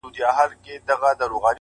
په لحد یې د گلانو ځای خالي دی